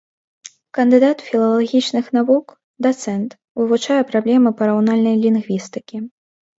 Кандыдат філалагічных навук, дацэнт, вывучае праблемы параўнальнай лінгвістыкі.